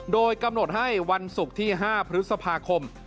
โดยกำหนดให้วันศุกร์ที่๕พฤษภาคม